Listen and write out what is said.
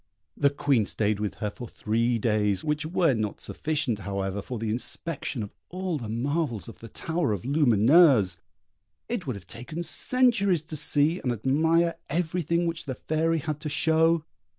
The Queen stayed with her for three days, which were not sufficient, however, for the inspection of all the marvels of the tower of Lumineuse; it would have taken centuries to see and admire everything which the Fairy had to show.